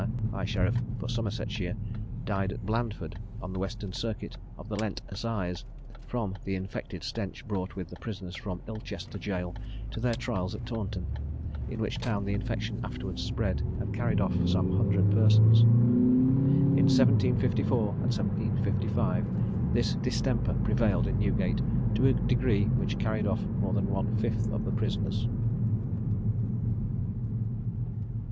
high sheriff for Somersetshire, died at Blandford, on the Western Circuit of the Lent assize, from the infected stench brought with the prisoners from Ilchester jail to their trials at Taunton, in which town the infection afterwards spread, and carried off some hundred persons. In 1754 and 1755 this distemper prevailed in Newgate to a degree which carried off more than one fifth of the prisoners.